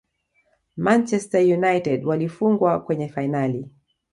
manchester united walifungwa kwenye fainali